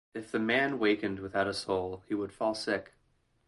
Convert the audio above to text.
If the man wakened without a soul, he would fall sick.